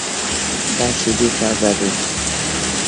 دا شیدې تازه دي